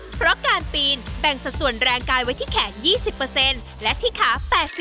เพราะการปีนแบ่งสัดส่วนแรงกายไว้ที่แขน๒๐และที่ขา๘๐